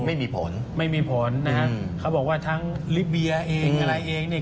ไม่มีผลไม่มีผลนะฮะเขาบอกว่าทั้งลิเบียเองอะไรเองเนี่ย